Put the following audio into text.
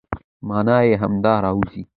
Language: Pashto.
مانا يې همدا راوځي،